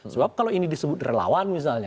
sebab kalau ini disebut relawan misalnya